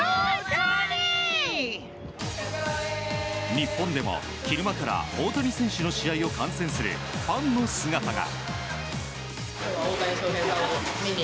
日本では昼間から大谷選手の試合を観戦するファンの姿が。